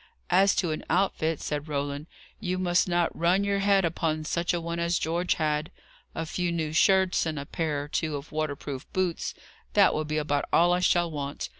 "As to an outfit," said Roland, "you must not run your head upon such a one as George had. A few new shirts, and a pair or two of waterproof boots that will be about all I shall want.